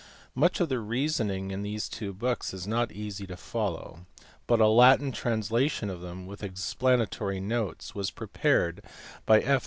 Much of the reasoning in these two books is not easy to follow ; but a Latin translation of them, with explanatory notes, was prepared by F.